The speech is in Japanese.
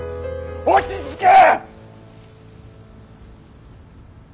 落ち着け！